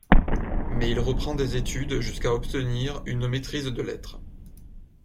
Mais il reprend des études jusqu'à obtenir une maîtrise de lettres.